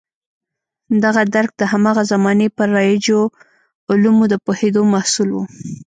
دغه درک د هماغه زمانې پر رایجو علومو د پوهېدو محصول و.